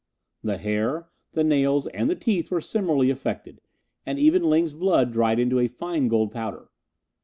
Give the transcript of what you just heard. The hair, the nails, and the teeth were similarly affected, and even Ling's blood dried into a fine gold powder.